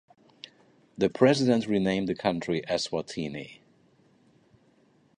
The president renamed the country Eswatini.